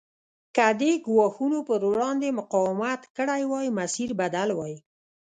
که دې ګواښونو پر وړاندې مقاومت کړی وای مسیر بدل وای.